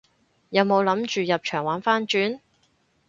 有冇諗住入場玩番轉？